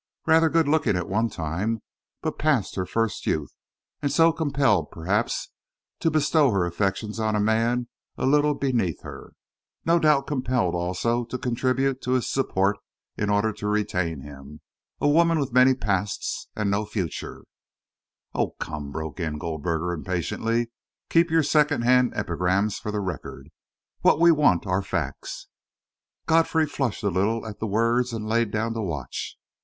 "Rather good looking at one time, but past her first youth, and so compelled perhaps to bestow her affections on a man a little beneath her no doubt compelled also to contribute to his support in order to retain him. A woman with many pasts and no future " "Oh, come," broke in Goldberger impatiently, "keep your second hand epigrams for the Record. What we want are facts." Godfrey flushed a little at the words and laid down the watch.